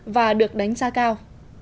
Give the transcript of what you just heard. và được đánh giá cao